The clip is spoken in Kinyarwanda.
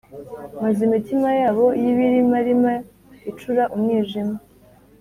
maze imitima yabo y’ibirimarima icura umwijima.